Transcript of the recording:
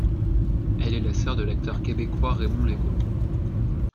Elle est la sœur de l'acteur québécois Raymond Legault.